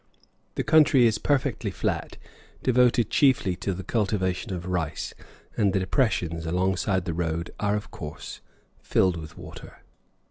The country is perfectly flat, devoted chiefly to the cultivation of rice, and the depressions alongside the road are, of course, filled with water.